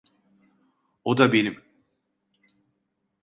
O da benim.